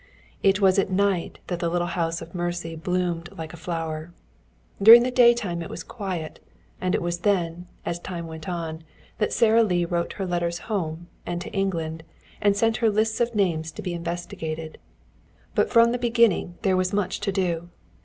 It was at night that the little house of mercy bloomed like a flower. During the daytime it was quiet, and it was then, as time went on, that Sara Lee wrote her letters home and to England, and sent her lists of names to be investigated. But from the beginning there was much to do.